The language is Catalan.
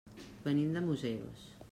Venim de Museros.